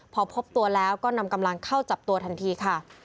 พอพบตัวแล้วก็นำกำลังเข้าจับตัวทันทีค่ะ